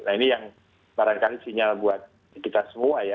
nah ini yang barangkali sinyal buat kita semua ya